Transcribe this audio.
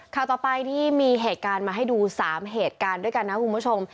ข่าวต่อไปที่มีเหตุการณ์มาให้ดู๓เหตุการณ์ด้วยกันนะคุณผู้ชม